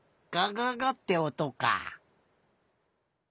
がががっておとか。